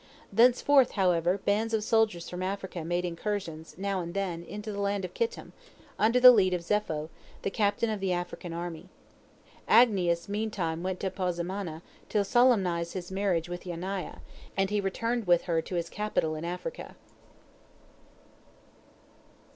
Thenceforth, however, bands of soldiers from Africa made incursions, now and again, into the land of Kittim, under the lead of Zepho, the captain of the African army. Agnias meantime went to Pozimana, to solemnize his marriage with Yaniah, and he returned with her to his capital in Africa.